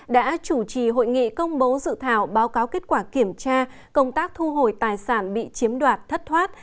đã chủ trì hội nghị công bố dự thảo báo cáo kết quả kiểm tra công tác thu hồi tài sản bị chiếm đoạt thất thoát